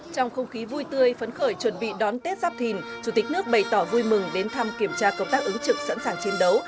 trong không khí vui tươi phấn khởi chuẩn bị đón tết giáp thìn chủ tịch nước bày tỏ vui mừng đến thăm kiểm tra công tác ứng trực sẵn sàng chiến đấu